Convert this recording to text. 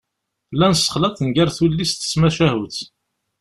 Llan ssexlaḍen gar tullist d tmacahut.